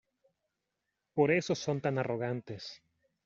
Por eso son tan arrogantes.